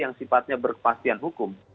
yang sifatnya berkepastian hukum